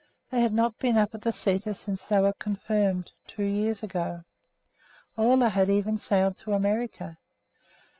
They had not been up at the sæter since they were confirmed, two years ago. Ole had even sailed to America.